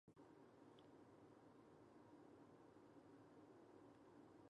She took gold in all four apparatus finals as well.